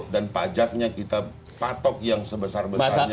dan pajaknya kita patok yang sebesar besarnya